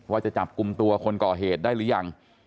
ว่าจะจับกลุ่มตัวคนก่อเหตุได้หรือยัง